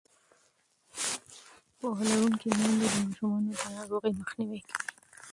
پوهه لرونکې میندې د ماشومانو د ناروغۍ مخنیوی کوي.